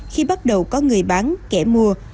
khi bắt đầu có người bán kẻ mua